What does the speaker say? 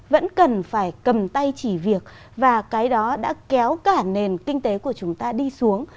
vẫn cần phải cầm tay chỉ việc và cái đó đã kéo cả nền kinh tế của chúng ta đi xuống